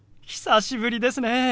久しぶりですね。